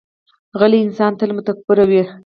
غلی انسان، تل متفکر وي.